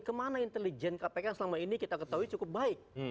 kemana intelijen kpk yang selama ini kita ketahui cukup baik